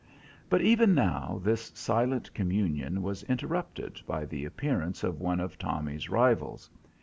But even now this silent communion was interrupted by the appearance of one of Tommy's rivals.